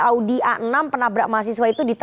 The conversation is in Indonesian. audi a enam penabrak mahasiswa itu